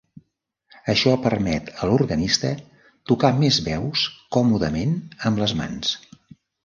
Això permet a l'organista tocar més veus còmodament amb les mans.